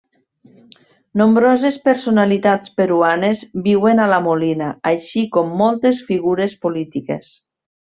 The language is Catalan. Nombroses personalitats peruanes viuen a La Molina, així com moltes figures polítiques.